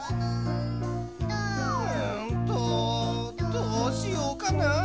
うんとどうしようかな？